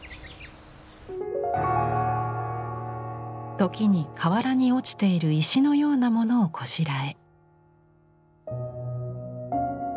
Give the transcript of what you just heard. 時に河原に落ちている石のようなものをこしらえ。